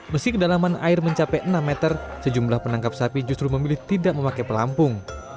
meski kedalaman air mencapai enam meter sejumlah penangkap sapi justru memilih tidak memakai pelampung